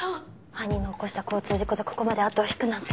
兄の起こした交通事故がここまであとを引くなんて。